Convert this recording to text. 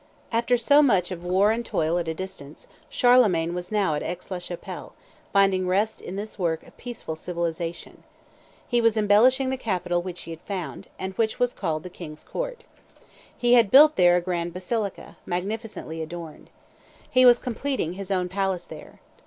After so much of war and toil at a distance, Charlemagne was now at Aix la Chapelle, finding rest in this work of peaceful civilization. He was embellishing the capital which he had founded, and which was called the king's court. He had built there a grand basilica, magnificently adorned. He was completing his own palace there.